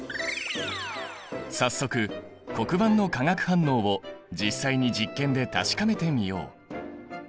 早速黒板の化学反応を実際に実験で確かめてみよう。